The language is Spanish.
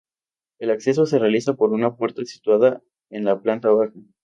El acceso se realiza por una puerta situada en la planta baja.